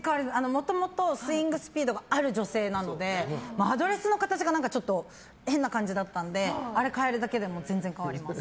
もともと、スイングスピードがある女性なのでアドレスの形が変な形だったのであれを変えるだけで全然変わります。